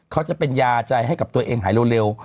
เขาจะเป็นยาใจให้กับตัวเองหายเร็ว